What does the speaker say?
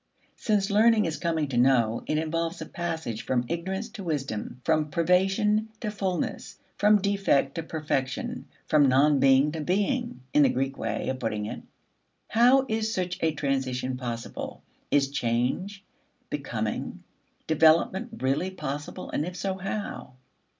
Since learning is coming to know, it involves a passage from ignorance to wisdom, from privation to fullness from defect to perfection, from non being to being, in the Greek way of putting it. How is such a transition possible? Is change, becoming, development really possible and if so, how?